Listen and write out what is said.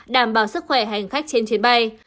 đảm bảo sức khỏe hành khách trên chuyến bay